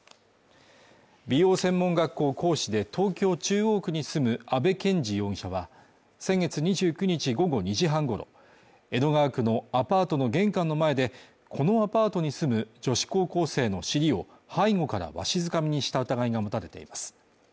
美容専門学校講師で東京・中央区に住む阿部賢治容疑者は先月２９日午後２時半ごろ、江戸川区のアパートの玄関の前で、このアパートに住む女子高校生の尻を背後からわしづかみにした疑いが持たれています。